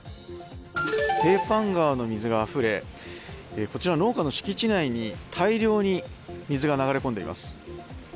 ペーパン川の水があふれ、こちら農家の敷地内に大量に水が流れ込んでいます。